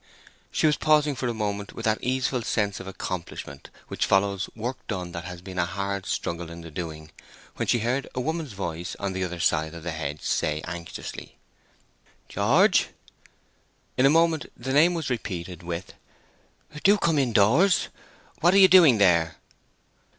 She was pausing a moment with that easeful sense of accomplishment which follows work done that has been a hard struggle in the doing, when she heard a woman's voice on the other side of the hedge say, anxiously, "George!" In a moment the name was repeated, with "Do come indoors! What are you doing there?"